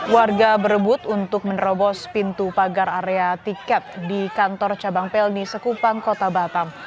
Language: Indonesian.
warga berebut untuk menerobos pintu pagar area tiket di kantor cabang pelni sekupang kota batam